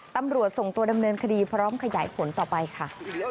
ตำรวจส่งตัวดำเนินคดีพร้อมขยายผลต่อไปค่ะ